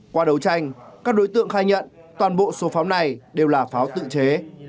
qua đấu tranh các đối tượng khai nhận toàn bộ số pháo này đều là pháo tự chế